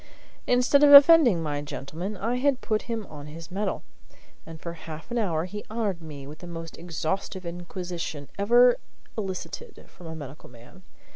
Instead of offending my gentleman I had put him on his mettle, and for half an hour he honored me with the most exhaustive inquisition ever elicited from a medical man.